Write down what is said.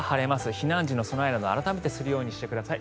避難時の備えなど改めてするようにしてください。